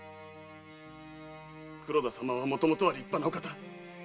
黒田様はもともとは立派なお方！